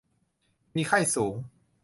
มีไข้สูง